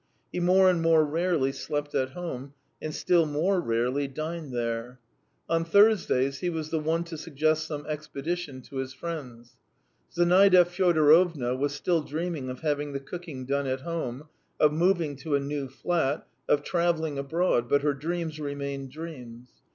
He more and more rarely slept at home, and still more rarely dined there: on Thursdays he was the one to suggest some expedition to his friends. Zinaida Fyodorovna was still dreaming of having the cooking done at home, of moving to a new flat, of travelling abroad, but her dreams remained dreams.